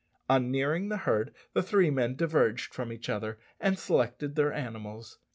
On nearing the herd, the three men diverged from each other and selected their animals.